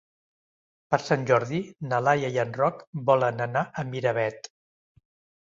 Per Sant Jordi na Laia i en Roc volen anar a Miravet.